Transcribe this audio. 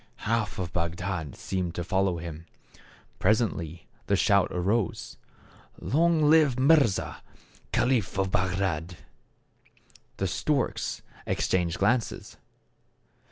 Half of Bagdad seemed to follow him. Presently the shout arose, " Long live Mirza, caliph of Bagdad !" The storks exchanged glances.